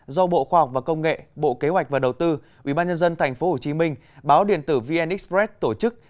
do bộ khoa học và công nghệ bộ kế hoạch và đầu tư ubnd tp hcm báo điện tử vn express tổ chức